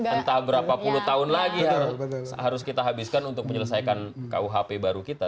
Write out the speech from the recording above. entah berapa puluh tahun lagi harus kita habiskan untuk menyelesaikan kuhp baru kita